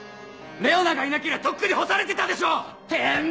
レオナがいなけりゃとっくに干されてたでしょ！